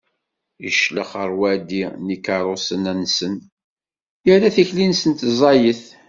Iclex ṛṛwaḍi n ikeṛṛusen-nsen, irra tikli-nsen ẓẓayet.